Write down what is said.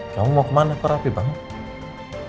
kamu mau kemana aku rapi banget